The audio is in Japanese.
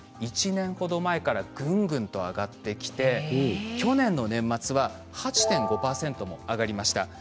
１年ほど前からぐんぐんと上がってきて去年の年末は８．５％も上がりました。